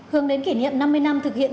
hướng đến kỉ niệm năm mươi năm thực hiện